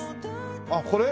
あっこれ？